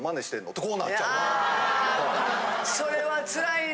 それはつらいな。